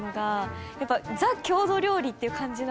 やっぱりザ郷土料理っていう感じなので。